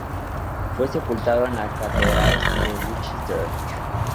Fue sepultado en la catedral de Winchester.